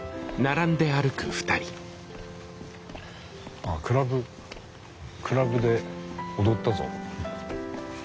ああクラブクラブで踊ったぞ。